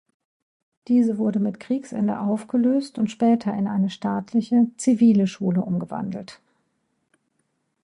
Diese wurde mit Kriegsende aufgelöst und später in eine staatliche, zivile Schule umgewandelt.